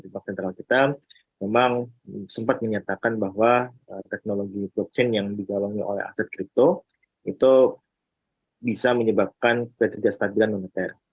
bank sentral kita memang sempat menyatakan bahwa teknologi blockchain yang digalongi oleh aset kripto itu bisa menyebabkan ketidakstabilan moneter